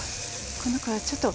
この子はちょっと。